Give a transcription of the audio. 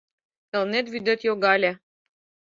Элнет вӱдет йогале